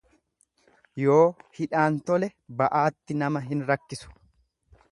Yoo hidhaan tole ba'aatti nama hin rakkisu.